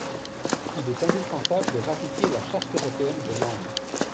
Il est indispensable de ratifier la Charte européenne des langues.